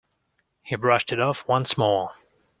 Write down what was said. He brushed it off once more.